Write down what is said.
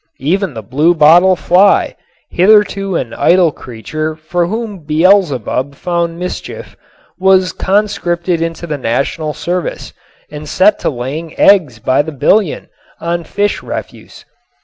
Even the blue bottle fly hitherto an idle creature for whom Beelzebub found mischief was conscripted into the national service and set to laying eggs by the billion on fish refuse.